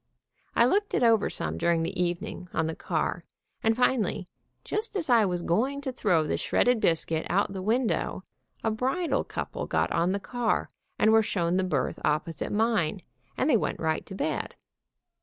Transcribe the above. I looked it over some during the evening, on the car, TERRIBLE ENCOUNTER AGAINST A BISCUIT 195 and finally, just as I was going to throw the shredded biscuit out the window, a bridal couple got on the car and were shown the berth opposite mine, and they went right to bed.